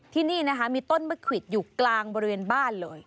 ที่นี่นะคะมีต้นมะขวิดอยู่กลางบริเวณบ้านเลย